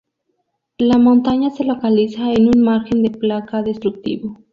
La Montaña se localiza en un margen de placa destructivo.